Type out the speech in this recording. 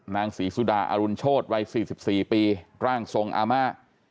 นางศรีสุดาอรุณโชธวัย๔๔ปีร่างทรงอาม่า